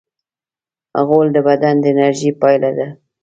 غول د بدن د انرژۍ پایله ده.